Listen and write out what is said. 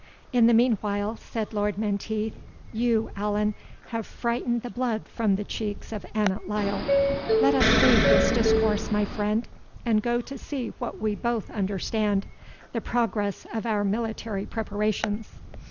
"In the meanwhile," said Lord Menteith, "you, Allan, have frightened the blood from the cheeks of Annot Lyle let us leave this discourse, my friend, and go to see what we both understand, the progress of our military preparations."